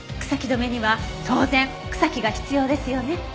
草木染めには当然草木が必要ですよね。